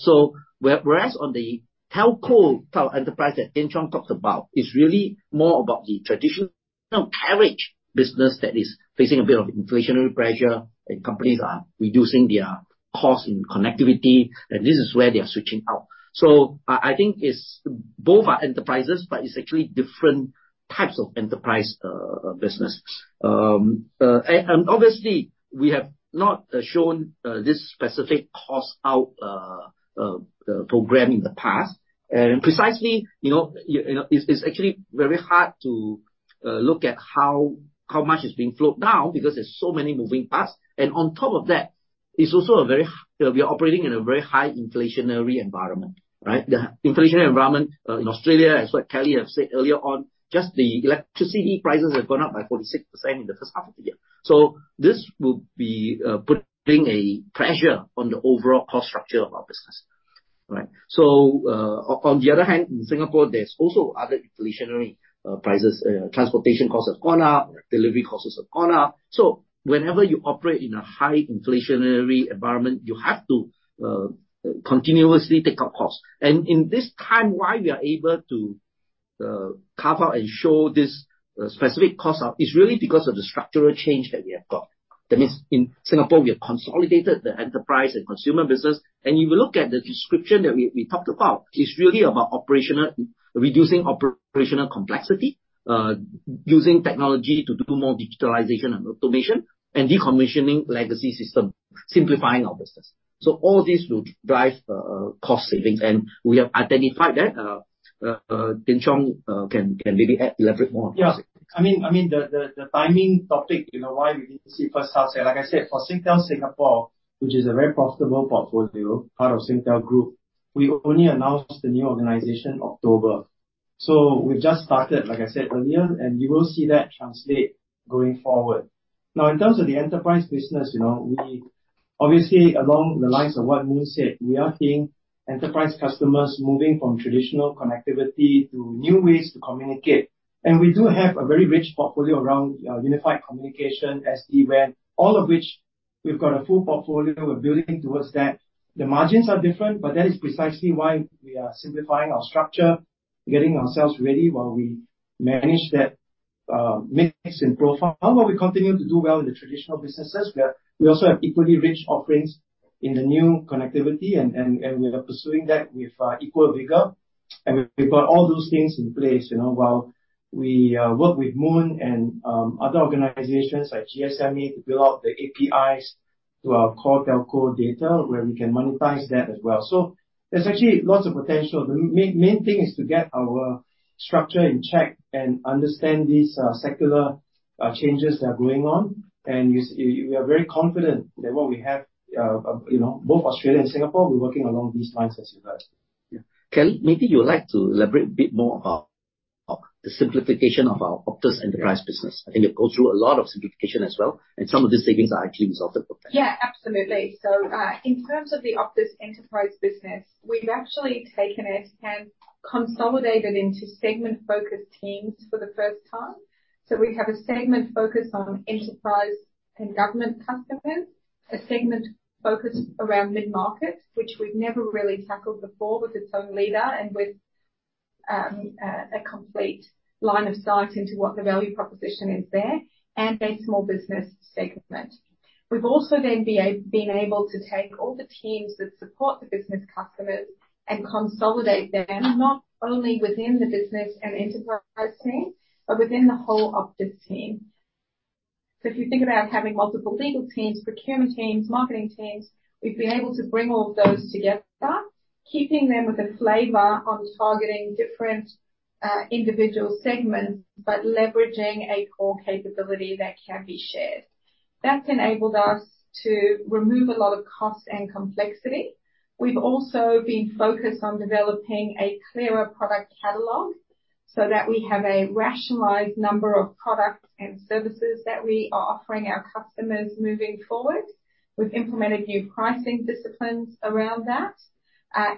Whereas on the telco enterprise that Jin Zhang talked about is really more about the traditional no carriage business that is facing a bit of inflationary pressure, and companies are reducing their cost in connectivity, and this is where they are switching out. So I think it's both are enterprises, but it's actually different types of enterprise business. Obviously, we have not shown this specific cost out program in the past. Precisely, you know, it's actually very hard to look at how much is being flowed down because there's so many moving parts. On top of that, we are operating in a very high inflationary environment, right? The inflationary environment in Australia, as what Kelly have said earlier on, just the electricity prices have gone up by 46% in the first half of the year. So this will be putting a pressure on the overall cost structure of our business, right? So on the other hand, in Singapore, there's also other inflationary prices. Transportation costs have gone up, delivery costs have gone up. So whenever you operate in a high inflationary environment, you have to continuously take up costs. And in this time, why we are able to cover and show this specific cost out is really because of the structural change that we have got. That means in Singapore, we have consolidated the enterprise and consumer business. And you look at the description that we talked about, it's really about operational, reducing operational complexity, using technology to do more digitalization and automation, and decommissioning legacy system, simplifying our business. So all this will drive cost savings, and we have identified that. Tian Chong can maybe add, elaborate more on that. Yeah. I mean, the timing topic, you know, why we need to see first half? Like I said, for Singtel Singapore, which is a very profitable portfolio, part of Singtel Group, we only announced the new organization October. So we've just started, like I said earlier, and you will see that translate going forward. Now, in terms of the enterprise business, you know, we obviously, along the lines of what Moon said, we are seeing enterprise customers moving from traditional connectivity to new ways to communicate. And we do have a very rich portfolio around unified communication, SD-WAN, all of which we've got a full portfolio we're building towards that. The margins are different, but that is precisely why we are simplifying our structure, getting ourselves ready while we manage that mix and profile. While we continue to do well in the traditional businesses, we also have equally rich offerings in the new connectivity, and we are pursuing that with equal vigor. And we've got all those things in place, you know, while we work with Moon and other organizations like GSMA to build out the APIs to our core telco data, where we can monetize that as well. So there's actually lots of potential. The main thing is to get our structure in check and understand these secular changes that are going on. And we are very confident that what we have, you know, both Australia and Singapore, we're working along these lines as well. Yeah. Kelly, maybe you would like to elaborate a bit more about the simplification of our Optus enterprise business. I think it go through a lot of simplification as well, and some of the savings are actually as a result of that. Yeah, absolutely. So, in terms of the Optus enterprise business, we've actually taken it and consolidated into segment-focused teams for the first time. So we have a segment focused on enterprise and government customers, a segment focused around mid-market, which we've never really tackled before, with its own leader and with a complete line of sight into what the value proposition is there, and a small business segment. We've also then been able to take all the teams that support the business customers and consolidate them, not only within the business and enterprise team, but within the whole Optus team. So if you think about us having multiple legal teams, procurement teams, marketing teams, we've been able to bring all of those together, keeping them with a flavor on targeting different individual segments, but leveraging a core capability that can be shared. That's enabled us to remove a lot of cost and complexity. We've also been focused on developing a clearer product catalog, so that we have a rationalized number of products and services that we are offering our customers moving forward. We've implemented new pricing disciplines around that,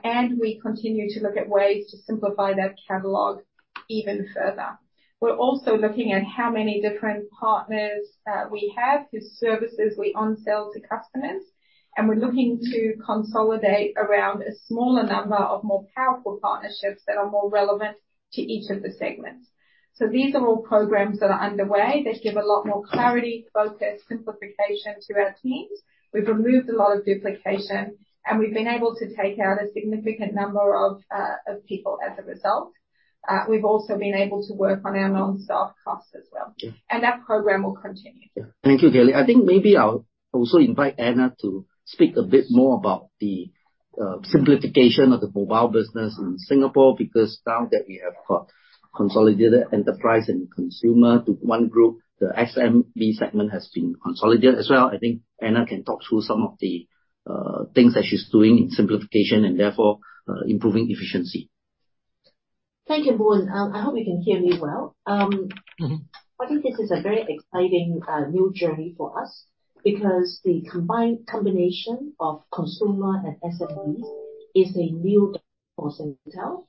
and we continue to look at ways to simplify that catalog even further. We're also looking at how many different partners, we have, whose services we onsell to customers, and we're looking to consolidate around a smaller number of more powerful partnerships that are more relevant to each of the segments. So these are all programs that are underway that give a lot more clarity, focus, simplification to our teams. We've removed a lot of duplication, and we've been able to take out a significant number of, of people as a result. We've also been able to work on our non-staff costs as well. Yeah. That program will continue. Yeah. Thank you, Kelly. I think maybe I'll also invite Anna to speak a bit more about the simplification of the mobile business in Singapore, because now that we have got consolidated enterprise and consumer to one group, the SMB segment has been consolidated as well. I think Anna can talk through some of the things that she's doing in simplification and therefore improving efficiency. Thank you, Moon. I hope you can hear me well. Mm-hmm. I think this is a very exciting new journey for us, because the combination of consumer and SMB is a new for Singtel.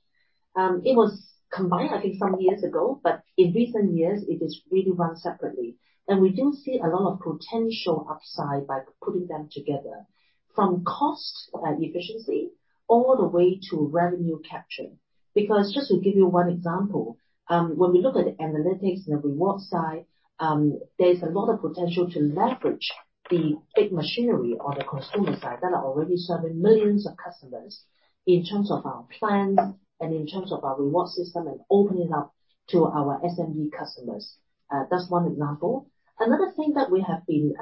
It was combined, I think, some years ago, but in recent years, it is really run separately. And we do see a lot of potential upside by putting them together, from cost efficiency, all the way to revenue capture. Because just to give you one example, when we look at the analytics and the reward side, there's a lot of potential to leverage the big machinery on the consumer side that are already serving millions of customers in terms of our plans and in terms of our reward system, and open it up to our SMB customers. That's one example. Another thing that we have been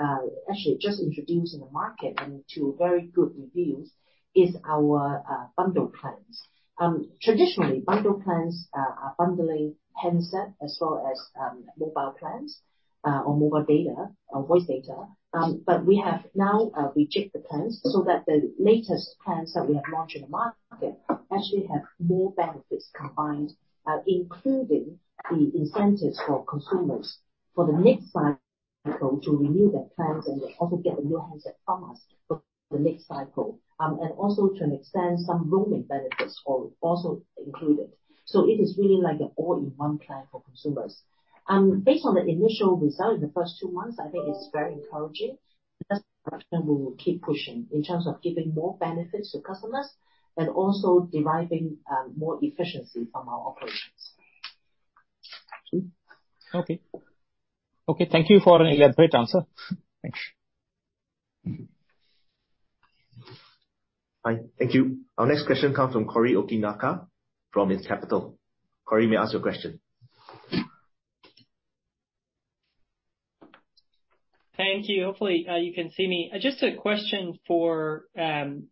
actually just introduced in the market, and to very good reviews, is our bundle plans. Traditionally, bundle plans are bundling handset as well as mobile plans or mobile data or voice data. But we have now rejigged the plans so that the latest plans that we have launched in the market actually have more benefits combined, including the incentives for consumers for the next cycle to renew their plans and also get a new handset from us for the next cycle, and also to extend some roaming benefits for also included. So it is really like an all-in-one plan for consumers. Based on the initial result in the first two months, I think it's very encouraging, and we will keep pushing in terms of giving more benefits to customers and also deriving more efficiency from our operations. Okay. Okay, thank you for an elaborate answer. Thanks. Hi. Thank you. Our next question comes from Corey Okinaka, from Capital. Corey, you may ask your question. Thank you. Hopefully, you can see me. Just a question for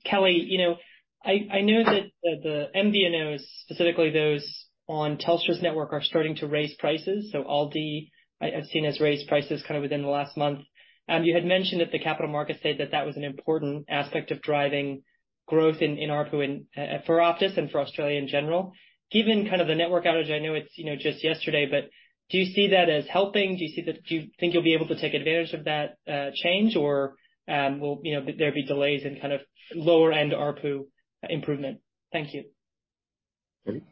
Kelly. You know, I know that the MVNOs, specifically those on Telstra's network, are starting to raise prices. So Aldi, I've seen, has raised prices kind of within the last month. You had mentioned at the capital markets day that that was an important aspect of driving growth in ARPU and for Optus and for Australia in general. Given kind of the network outage, I know it's, you know, just yesterday, but do you see that as helping? Do you think you'll be able to take advantage of that change? Or, will, you know, there be delays in kind of lower-end ARPU improvement? Thank you. Kelly?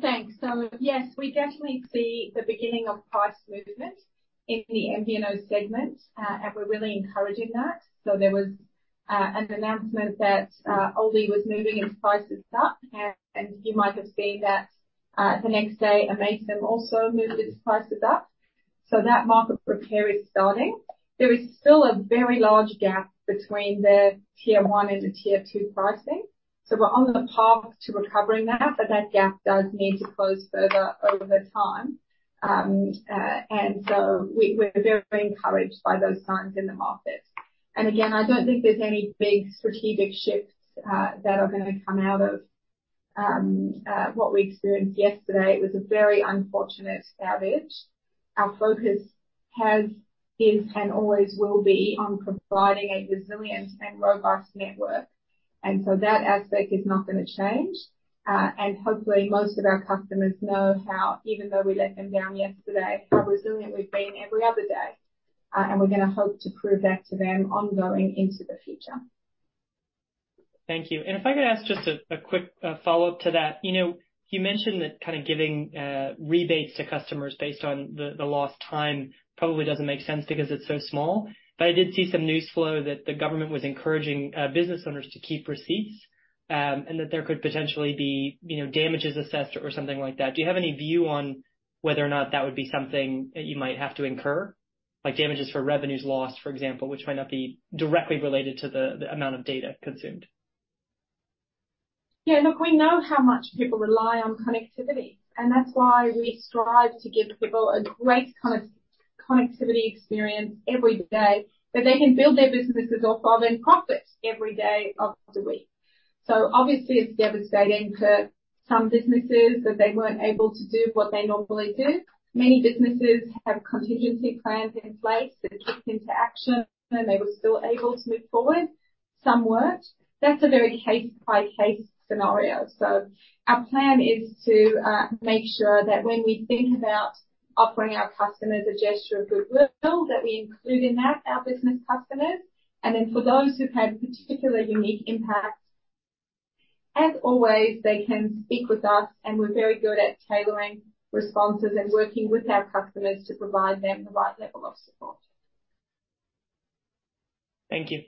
Thanks. So yes, we definitely see the beginning of price movement in the MVNO segment, and we're really encouraging that. So there was an announcement that Aldi was moving its prices up, and you might have seen that the next day, Amaysim also moved its prices up. So that market repair is starting. There is still a very large gap between the Tier 1 and the Tier 2 pricing, so we're on the path to recovering that, but that gap does need to close further over time. And so we're very encouraged by those signs in the market. And again, I don't think there's any big strategic shifts that are gonna come out of what we experienced yesterday. It was a very unfortunate outage. Our focus has, is, and always will be on providing a resilient and robust network. And so that aspect is not gonna change. And hopefully, most of our customers know how, even though we let them down yesterday, how resilient we've been every other day. And we're gonna hope to prove that to them ongoing into the future. Thank you. And if I could ask just a quick follow-up to that. You know, you mentioned that kind of giving rebates to customers based on the lost time probably doesn't make sense because it's so small. But I did see some news flow that the government was encouraging business owners to keep receipts, and that there could potentially be, you know, damages assessed or something like that. Do you have any view on whether or not that would be something that you might have to incur, like damages for revenues lost, for example, which might not be directly related to the amount of data consumed? Yeah. Look, we know how much people rely on connectivity, and that's why we strive to give people a great connectivity experience every day, that they can build their businesses off of and profit every day of the week. So obviously, it's devastating to some businesses that they weren't able to do what they normally do. Many businesses have contingency plans in place that kicked into action, and they were still able to move forward. Some weren't. That's a very case-by-case scenario. So our plan is to make sure that when we think about offering our customers a gesture of goodwill, that we include in that our business customers. And then for those who've had particularly unique impacts, as always, they can speak with us, and we're very good at tailoring responses and working with our customers to provide them the right level of support. Thank you.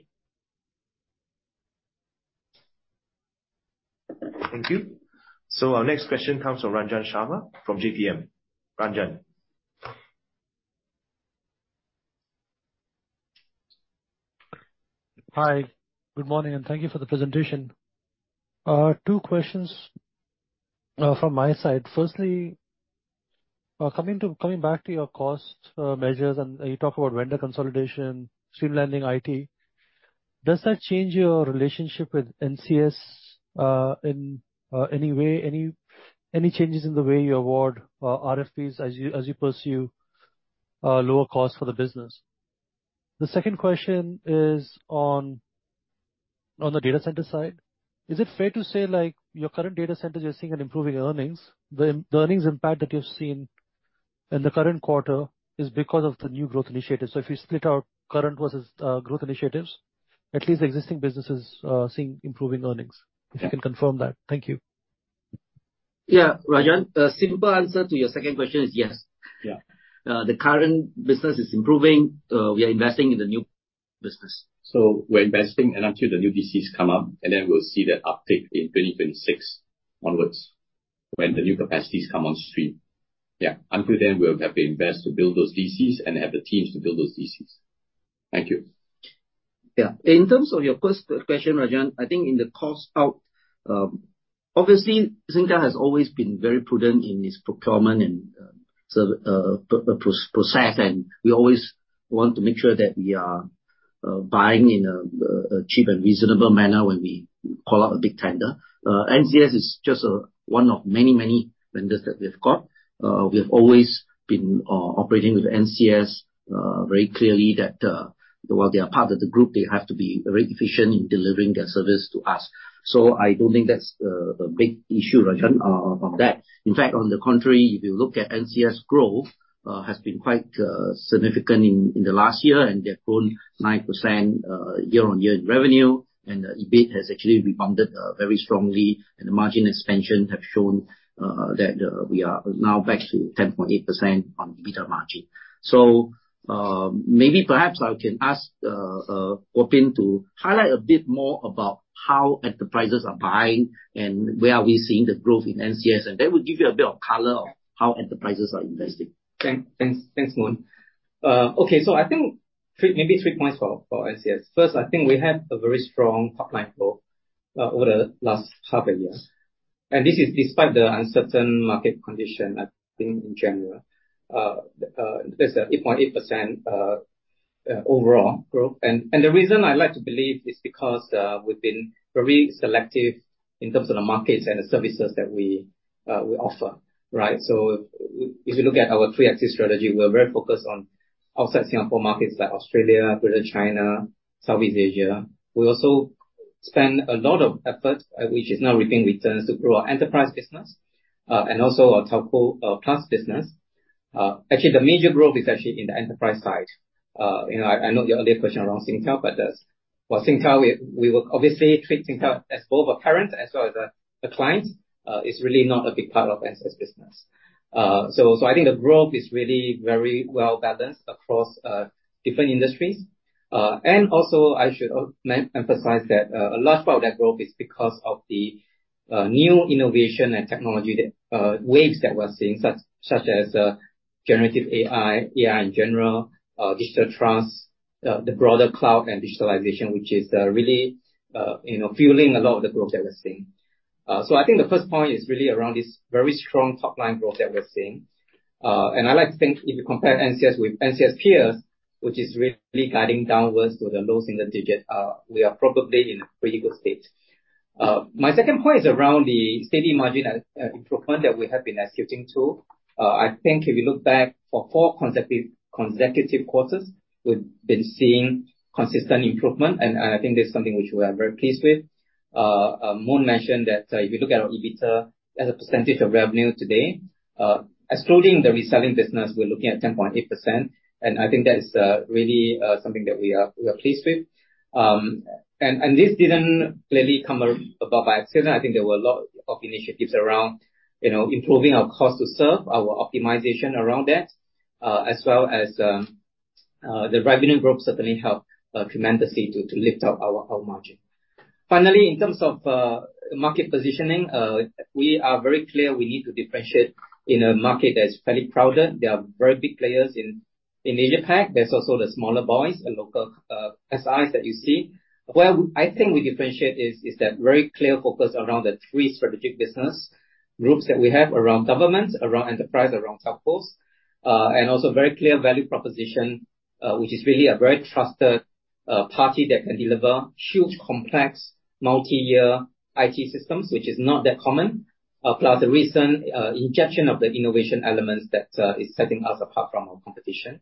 Thank you. Our next question comes from Ranjan Sharma, from JPM. Ranjan? Hi. Good morning, and thank you for the presentation. Two questions from my side. Firstly, coming back to your cost measures, and you talk about vendor consolidation, streamlining IT, does that change your relationship with NCS in any way? Any changes in the way you award RFPs as you pursue lower costs for the business? The second question is on the data center side. Is it fair to say, like, your current data centers, you're seeing improving earnings? The earnings impact that you've seen in the current quarter is because of the new growth initiatives. So if you split out current versus growth initiatives, at least the existing businesses seeing improving earnings. If you can confirm that. Thank you. Yeah, Ranjan, a simple answer to your second question is yes. Yeah. The current business is improving. We are investing in the new-... So we're investing, and until the new DCs come up, and then we'll see that uptick in 2026 onwards, when the new capacities come on stream. Yeah, until then, we'll have to invest to build those DCs and have the teams to build those DCs. Thank you. Yeah. In terms of your first question, Ranjan, I think in the cost out, obviously, Singtel has always been very prudent in its procurement and so process, and we always want to make sure that we are buying in a cheap and reasonable manner when we call out a big tender. NCS is just one of many, many vendors that we've got. We have always been operating with NCS very clearly that while they are part of the group, they have to be very efficient in delivering their service to us. So I don't think that's a big issue, Ranjan, on that. In fact, on the contrary, if you look at NCS growth, has been quite significant in the last year, and they've grown 9%, year-on-year in revenue, and the EBIT has actually rebounded very strongly. And the margin expansion have shown that we are now back to 10.8% on EBITDA margin. So, maybe perhaps I can ask Ng Kuo Pin to highlight a bit more about how enterprises are buying and where are we seeing the growth in NCS, and that will give you a bit of color of how enterprises are investing. Thanks, thanks, Moon. Okay, so I think three, maybe three points for NCS. First, I think we had a very strong top-line flow over the last half a year, and this is despite the uncertain market condition, I think, in general. There's an 8.8% overall growth. And the reason I like to believe is because we've been very selective in terms of the markets and the services that we offer, right? So if you look at our three axis strategy, we're very focused on outside Singapore markets, like Australia, Greater China, Southeast Asia. We also spend a lot of effort, which is now reaping returns, to grow our enterprise business, and also our telco class business. Actually, the major growth is actually in the enterprise side. You know, I know your earlier question around Singtel, but, well, Singtel, we will obviously treat Singtel as both a parent as well as a client. It's really not a big part of NCS business. So, I think the growth is really very well-balanced across different industries. And also, I should emphasize that a large part of that growth is because of the new innovation and technology waves that we're seeing, such as generative AI, AI in general, digital trust, the broader cloud and digitalization, which is really, you know, fueling a lot of the growth that we're seeing. So I think the first point is really around this very strong top-line growth that we're seeing. I like to think if you compare NCS with NCS peers, which is really guiding downwards with the lows in the digit, we are probably in a pretty good state. My second point is around the steady margin, improvement that we have been executing to. I think if you look back for four consecutive, consecutive quarters, we've been seeing consistent improvement, and I think this is something which we are very pleased with. Moon mentioned that, if you look at our EBITDA as a percentage of revenue today, excluding the reselling business, we're looking at 10.8%, and I think that is, really, something that we are, we are pleased with. And, and this didn't really come about by accident. I think there were a lot of initiatives around, you know, improving our cost to serve, our optimization around that, as well as the revenue growth certainly helped tremendously to lift up our margin. Finally, in terms of market positioning, we are very clear we need to differentiate in a market that is fairly crowded. There are very big players in AsiaPac. There's also the smaller boys and local SIs that you see. Where I think we differentiate is that very clear focus around the three strategic business groups that we have around government, around enterprise, around telcos. And also very clear value proposition, which is really a very trusted party that can deliver huge, complex, multi-year IT systems, which is not that common. Plus the recent injection of the innovation elements that is setting us apart from our competition.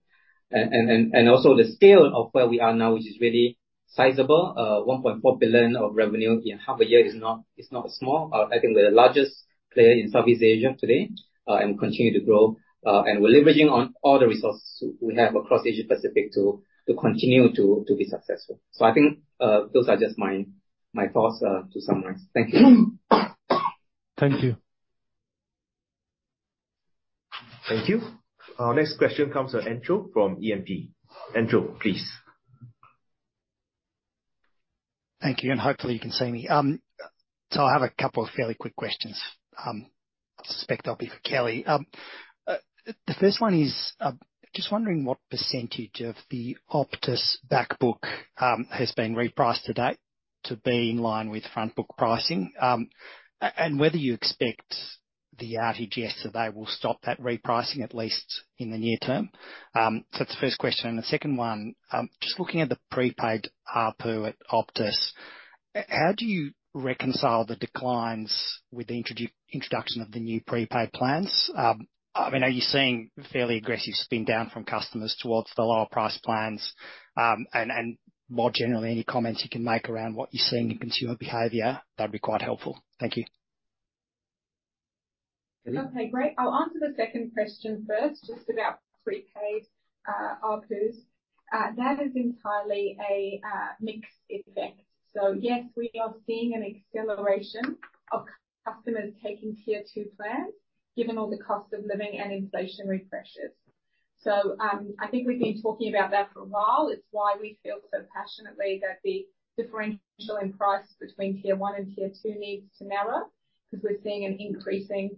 Also the scale of where we are now, which is really sizable. One point four billion of revenue in half a year is not small. I think we're the largest player in Southeast Asia today, and we continue to grow. And we're leveraging on all the resources we have across Asia Pacific to continue to be successful. So I think, those are just my thoughts, to summarize. Thank you. Thank you. Thank you. Our next question comes from Entcho, from E&P. Andrew, please. Thank you, and hopefully you can see me. So I have a couple of fairly quick questions. I suspect they'll be for Kelly. The first one is, just wondering what percentage of the Optus back book has been repriced to date to be in line with front book pricing, and whether you expect the outages that they will stop that repricing, at least in the near term? So that's the first question. And the second one, just looking at the prepaid ARPU at Optus, how do you reconcile the declines with the introduction of the new prepaid plans? I mean, are you seeing fairly aggressive spin down from customers towards the lower price plans? And more generally, any comments you can make around what you're seeing in consumer behavior, that'd be quite helpful. Thank you. Okay, great. I'll answer the second question first, just about prepaid ARPUs. That is entirely a mixed effect. So yes, we are seeing an acceleration of customers taking Tier 2 plans, given all the cost of living and inflationary pressures. So I think we've been talking about that for a while. It's why we feel so passionately that the differential in price between Tier 1 and Tier 2 needs to narrow, because we're seeing an increasing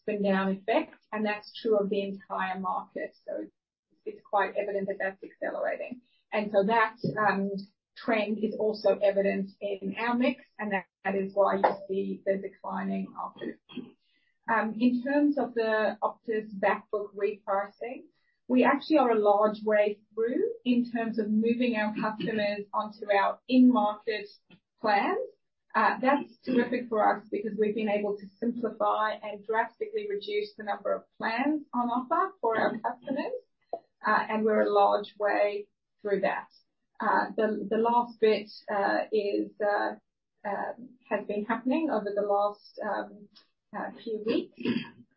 spin down effect, and that's true of the entire market. So it's quite evident that that's accelerating. And so that trend is also evident in our mix, and that is why you see the declining offers. In terms of the Optus back book repricing, we actually are a large way through in terms of moving our customers onto our in-market plans. That's terrific for us because we've been able to simplify and drastically reduce the number of plans on offer for our customers, and we're a long way through that. The last bit has been happening over the last few weeks.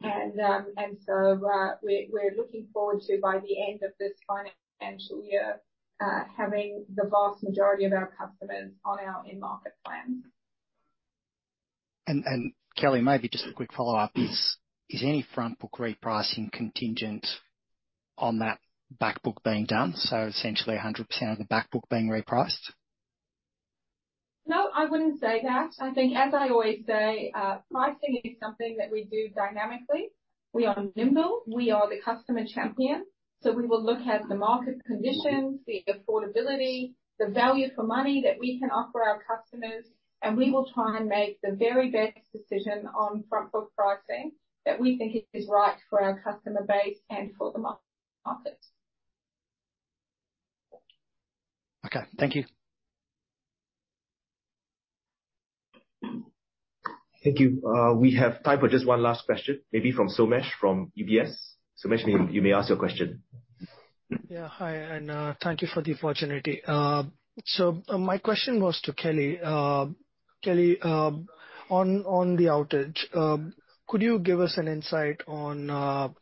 And so, we're looking forward to, by the end of this financial year, having the vast majority of our customers on our in-market plans. Kelly, maybe just a quick follow-up. Is any front book repricing contingent on that back book being done? So essentially 100% of the back book being repriced? No, I wouldn't say that. I think, as I always say, pricing is something that we do dynamically. We are nimble, we are the customer champion, so we will look at the market conditions, the affordability, the value for money that we can offer our customers, and we will try and make the very best decision on front book pricing that we think is right for our customer base and for the market. Okay, thank you. Thank you. We have time for just one last question, maybe from Somesh, from UBS. Somesh, you may ask your question. Yeah, hi, and thank you for the opportunity. So, my question was to Kelly. Kelly, on the outage, could you give us an insight on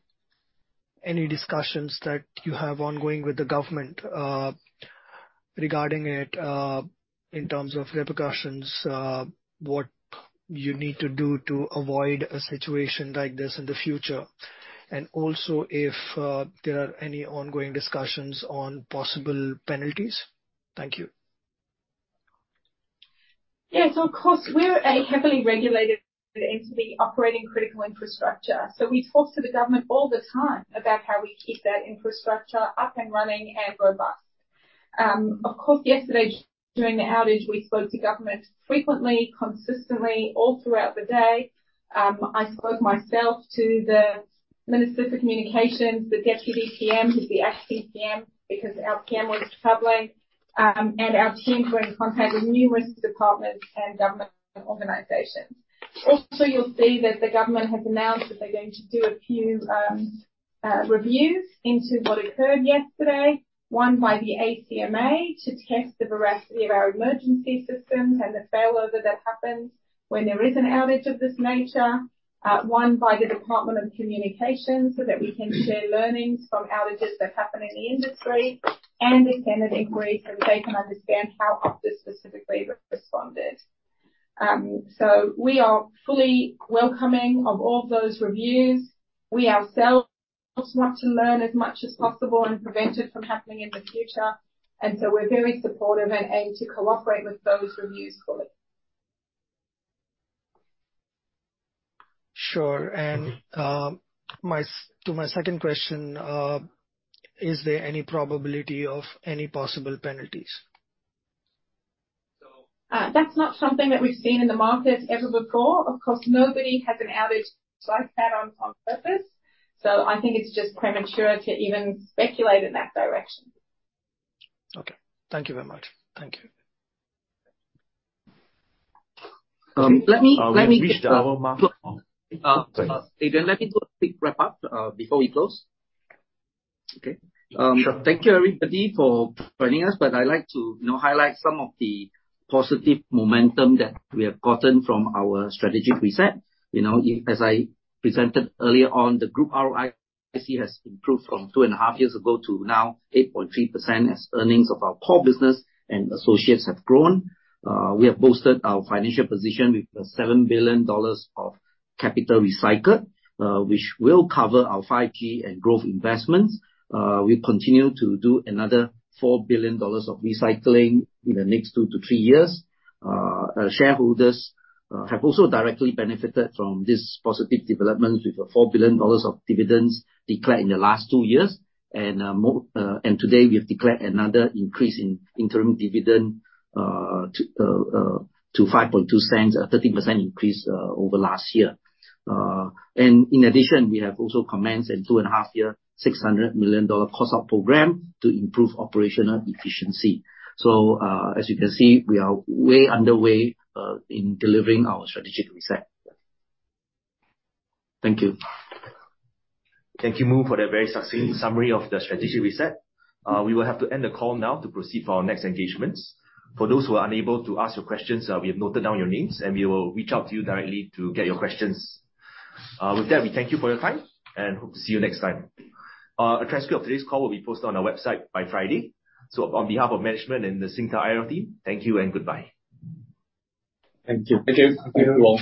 any discussions that you have ongoing with the government regarding it in terms of repercussions, what you need to do to avoid a situation like this in the future? And also, if there are any ongoing discussions on possible penalties. Thank you. Yes, of course. We're a heavily regulated entity operating critical infrastructure, so we talk to the government all the time about how we keep that infrastructure up and running and robust. Of course, yesterday, during the outage, we spoke to government frequently, consistently, all throughout the day. I spoke myself to the Minister of Communications, the Deputy PM, who's the Acting PM, because our PM was traveling, and our team were in contact with numerous departments and government organizations. Also, you'll see that the government has announced that they're going to do a few, reviews into what occurred yesterday. One by the ACMA, to test the veracity of our emergency systems and the failover that happens when there is an outage of this nature. One by the Department of Communications, so that we can share learnings from outages that happen in the industry. A Senate inquiry, so they can understand how Optus specifically responded. We are fully welcoming of all those reviews. We ourselves want to learn as much as possible and prevent it from happening in the future, and so we're very supportive and aim to cooperate with those reviews fully. Sure. To my second question, is there any probability of any possible penalties? That's not something that we've seen in the market ever before. Of course, nobody has an outage like that on purpose, so I think it's just premature to even speculate in that direction. Okay. Thank you very much. Thank you. Let me, We've reached our mark. Adrian, let me do a quick wrap-up before we close. Okay. So thank you, everybody, for joining us. But I'd like to, you know, highlight some of the positive momentum that we have gotten from our strategic reset. You know, as I presented earlier on, the group ROIC has improved from 2.5 years ago to now 8.3%, as earnings of our core business and associates have grown. We have boosted our financial position with $7 billion of capital recycled, which will cover our 5G and growth investments. We continue to do another $4 billion of recycling in the next two to three years. Shareholders have also directly benefited from this positive development, with the $4 billion of dividends declared in the last two years. And, more... Today, we have declared another increase in interim dividend to 5.02, a 30% increase over last year. And in addition, we have also commenced a 2.5-year, 600 million dollar cost-out program to improve operational efficiency. So, as you can see, we are way underway in delivering our strategic reset. Thank you. Thank you, Moon, for that very succinct summary of the strategic reset. We will have to end the call now to proceed with our next engagements. For those who are unable to ask your questions, we have noted down your names, and we will reach out to you directly to get your questions. With that, we thank you for your time and hope to see you next time. A transcript of today's call will be posted on our website by Friday. So on behalf of management and the Singtel IR team, thank you and goodbye. Thank you. Thank you. Thank you all.